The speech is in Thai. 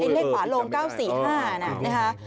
เลขหวาลง๙๔๕นะครับ